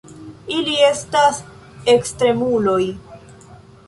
Ili estas ekstremuloj.